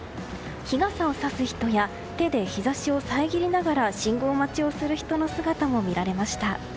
日傘をさす人や手で日差しを遮りながら信号待ちをする人の姿も見られました。